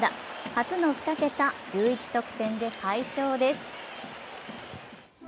初の２桁、１１得点で快勝です。